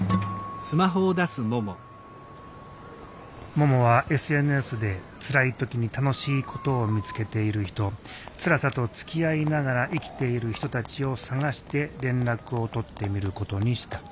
ももはＳＮＳでつらい時に楽しいことを見つけている人つらさとつきあいながら生きている人たちを探して連絡を取ってみることにした。